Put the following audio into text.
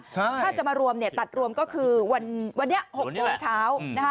ถ้าจะมารวมตัดรวมก็คือวันนี้๖โมงเช้า